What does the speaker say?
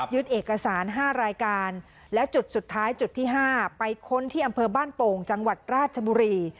เอกสาร๕รายการและจุดสุดท้ายจุดที่๕ไปค้นที่อำเภอบ้านโป่งจังหวัดราชบุรี